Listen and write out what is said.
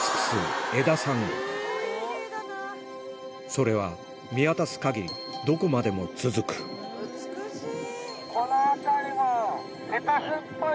それは見渡す限りどこまでも続く美しい！